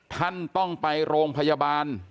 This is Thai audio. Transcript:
ท่านต้องไปโรงพยาบาล